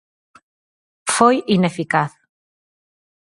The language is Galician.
Foi ineficaz.